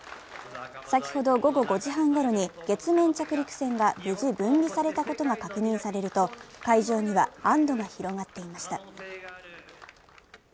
先ほど、午後５時半ごろに月面着陸船が無事分離されたことが確認されると会場には安どが広がっていました。